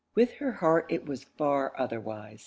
With her heart it was far otherwise.